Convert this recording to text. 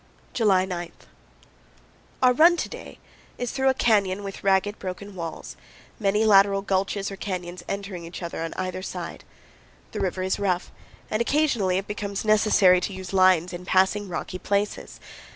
July 9. Our run to day is through a canyon with ragged, broken walls, many lateral gulches or canyons entering on either side. The river is rough, and occasionally it becomes necessary to use lines in passing rocky places.